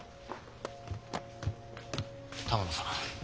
玉乃さん。